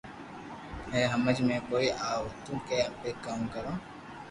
ھي ھمج ۾ ڪوئي آ وتو ڪي اپي ڪاو ڪرو